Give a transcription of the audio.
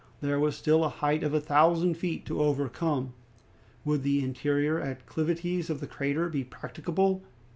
There was still a height of a thousand feet to overcome. Would the interior acclivities of the crater be practicable?